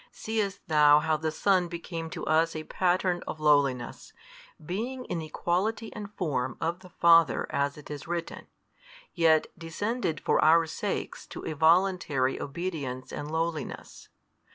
Seest thou how the Son became to us a Pattern of lowliness, being in Equality and Form of the Father as it is written: yet descended for our sakes to a voluntary obedience and lowliness?